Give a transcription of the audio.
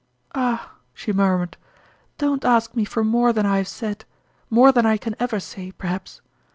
" Ah !" she murmured, " don't ask me for more than I have said more than I can ever say, perhaps